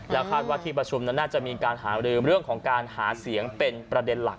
คาดว่าที่ประชุมนั้นน่าจะมีการหารือเรื่องของการหาเสียงเป็นประเด็นหลัก